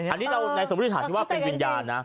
อันนี้เราในสมมุติฐานที่ว่าเป็นวิญญาณนะ